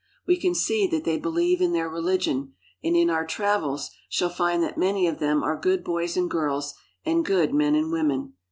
We can see that they believe in their religion, and in our travels shall find that many of them are good boys and girls and good men and women.